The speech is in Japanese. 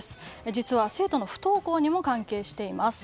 実は、生徒の不登校にも関係しています。